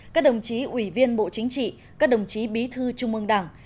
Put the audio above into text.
các đồng chí ủy viên bộ chính trị các đồng chí bí thư trung ương đảng